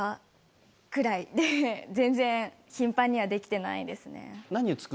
全然頻繁にはできてないですね。